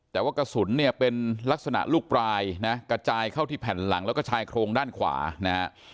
แต่ว่ากระสุนเนี่ยเป็นลักษณะลูกปลายนะกระจายเข้าที่แผ่นหลังแล้วก็ชายโครงด้านขวานะฮะ